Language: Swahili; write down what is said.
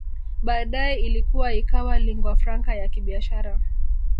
Baadae ilikua ikawa linguafranca ya kibiashara